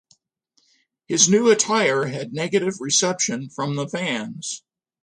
His new attire had negative reception from the fans.